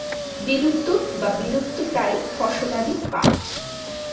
বিলুপ্ত বা বিলুপ্তপ্রায় ফসলাদি পাট।